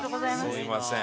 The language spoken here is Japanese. すみません。